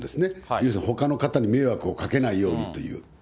要するにほかの方に迷惑をかけないようにという。